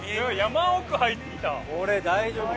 これ大丈夫か？